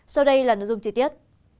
sau đây là nội dung chi tiết